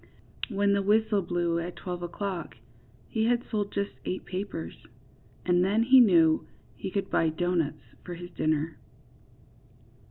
When the whistle blew at twelve o^clock he had sold just eight papers, and then he knew he could buy doughnuts for his dinner.